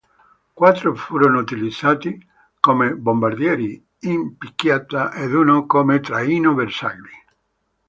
Quattro furono utilizzati come bombardieri in picchiata, ed uno come traino bersagli.